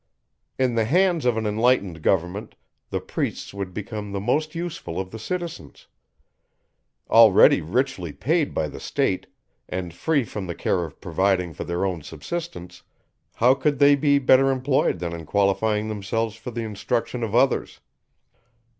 In the hands of an enlightened government, the priests would become the most useful of the citizens. Already richly paid by the state, and free from the care of providing for their own subsistence, how could they be better employed than in qualifying themselves for the instruction of others?